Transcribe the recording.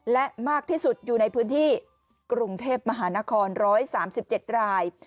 และมากที่สุดอยู่ในพื้นที่กรุงเทพมหานคร๑๓๗ราย